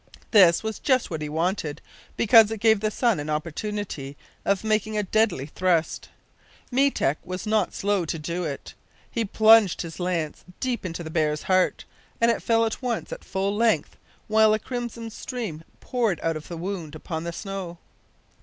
This was just what he wanted, because it gave the son an opportunity of making a deadly thrust. Meetek was not slow to do it. He plunged his lance deep into the bear's heart, and it fell at once at full length, while a crimson stream poured out of the wound upon the snow.